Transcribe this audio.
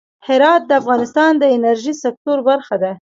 هرات د افغانستان د انرژۍ سکتور برخه ده.